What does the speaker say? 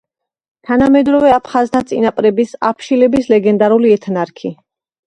თანამედროვე აფხაზთა წინაპრების, აფშილების ლეგენდარული ეთნარქი.